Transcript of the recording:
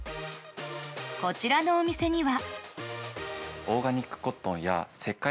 こちらのお店には。